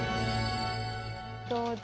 どうぞ。